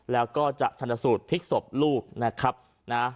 แล้วก็จะชนสูตรพลิกศพลูกนะครับนะ